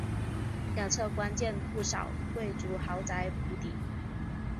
两侧兴建不少贵族豪宅府邸。